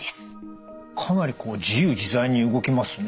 かなりこう自由自在に動きますね。